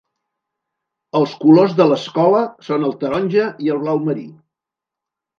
Els colors de l'escola són el taronja i el blau marí.